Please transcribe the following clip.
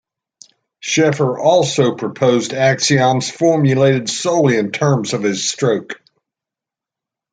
Sheffer also proposed axioms formulated solely in terms of his stroke.